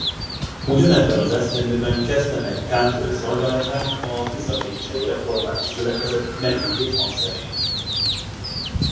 Ugyanebben az esztendőben kezdte meg kántori szolgálatát a tiszakécskei Református Gyülekezet megújult hangszerén.